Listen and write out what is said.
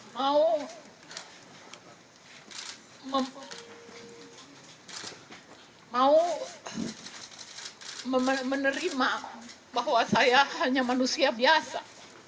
mau menerima bahwa saya hanya manusia biasa